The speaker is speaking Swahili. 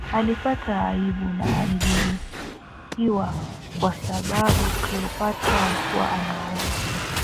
alipata aibu na alijeruhiwa kwa sababu Cleopatra alikuwa anaona